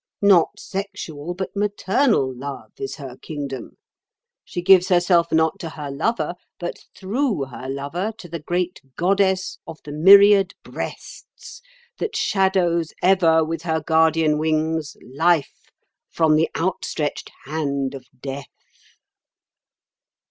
Not sexual, but maternal love is her kingdom. She gives herself not to her lover, but through her lover to the great Goddess of the Myriad Breasts that shadows ever with her guardian wings Life from the outstretched hand of Death."